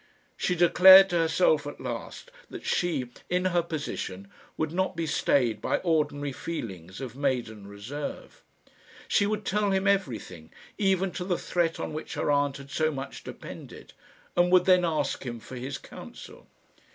She declared to herself at last that she, in her position, would not be stayed by ordinary feelings of maiden reserve. She would tell him everything, even to the threat on which her aunt had so much depended, and would then ask him for his counsel.